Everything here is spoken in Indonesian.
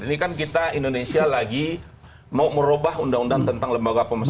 ini kan kita indonesia lagi mau merubah undang undang tentang lembaga pemerintah